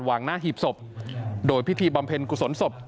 หน้าหีบศพโดยพิธีบำเพ็ญกุศลศพ